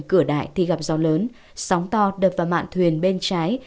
cửa đại thì gặp gió lớn sóng to đập vào mạng thuyền bên trái